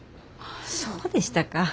そうでしたか。